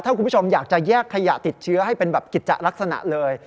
ถ้าคุณผู้ชมอยากจะแยกขยะติดเชื้อให้เป็นแบบกิจจะลักษณะเลย